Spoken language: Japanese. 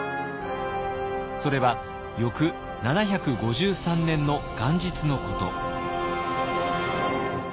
それは翌７５３年の元日のこと。